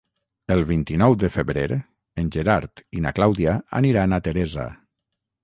El vint-i-nou de febrer en Gerard i na Clàudia aniran a Teresa.